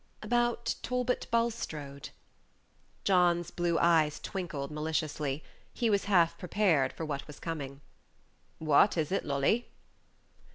"About Talbot Bulstrode." John's blue eyes twinkled maliciously. He was half prepared for what was coming. "What is it, Lolly?"